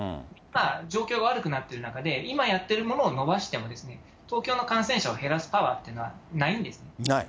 状況が悪くなっている中で、今やってるものを延ばしても、東京の感染者を減らすパワーっていうのはないんですね。